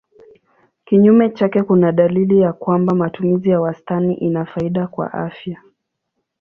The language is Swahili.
Kinyume chake kuna dalili ya kwamba matumizi ya wastani ina faida kwa afya.